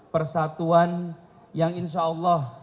persatuan yang insyaallah